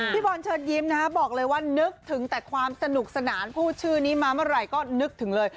บอลเชิญยิ้มนะฮะบอกเลยว่านึกถึงแต่ความสนุกสนานพูดชื่อนี้มาเมื่อไหร่ก็นึกถึงเลย